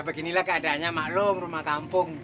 beginilah keadaannya maklum rumah kampung